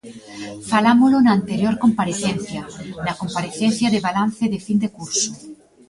Falámolo na anterior comparecencia, na comparecencia de balance de fin de curso.